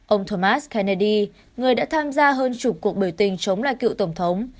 ông thomas kennedy người đã tham gia hơn chục cuộc biểu tình chống lại cựu tổng thống